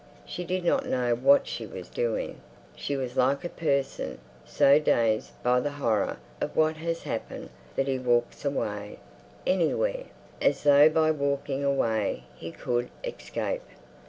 She did not know what she was doing. She was like a person so dazed by the horror of what has happened that he walks away—anywhere, as though by walking away he could escape....